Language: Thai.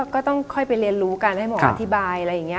ก็ต้องค่อยไปเรียนรู้กันให้หมออธิบายอะไรอย่างนี้